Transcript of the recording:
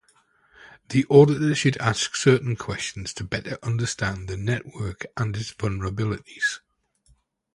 The auditor should ask certain questions to better understand the network and its vulnerabilities.